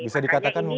bisa dikatakan mungkin